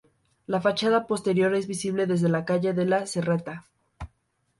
La fachada posterior es visible desde la calle de la Serreta.